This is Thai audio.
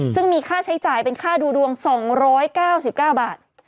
ซึ่งมีค่าใช้จ่ายเป็นค่าดูดวง๒๙๙บาท